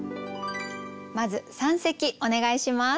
まず三席お願いします。